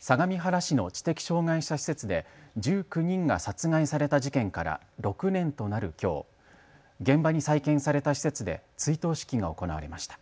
相模原市の知的障害者施設で１９人が殺害された事件から６年となるきょう、現場に再建された施設で追悼式が行われました。